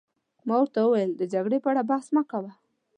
ما ورته وویل: د جګړې په اړه بحث مه کوه.